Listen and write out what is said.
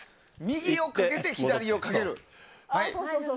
右をかけて左をかけると。